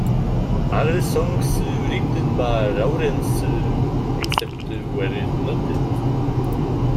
All songs written by Lawrence, except where noted.